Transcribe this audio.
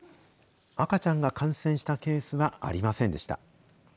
赤ちゃんが感染したケースはありませんでした。